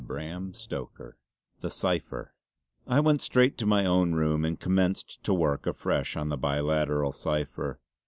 CHAPTER XII THE CIPHER I went straight to my own room and commenced to work afresh on the biliteral cipher.